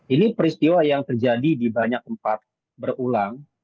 ini peristiwa yang terjadi di banyak tempat berulang